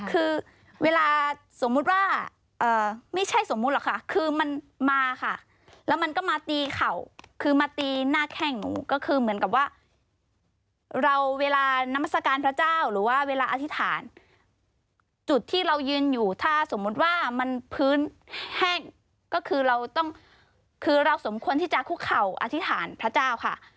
คือเวลาสมมุติว่าไม่ใช่สมมุติหรอกค่ะคือมันมาค่ะแล้วมันก็มาตีเข่าคือมาตีหน้าแข้งหนูก็คือเหมือนกับว่าเราเวลานามสการพระเจ้าหรือว่าเวลาอธิษฐานจุดที่เรายืนอยู่ถ้าสมมุติว่ามันพื้นแห้งก็คือเราต้องคือเราสมควรที่จะคุกเข่าอธิษฐานพระเจ้าค่ะ